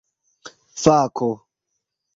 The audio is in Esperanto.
fako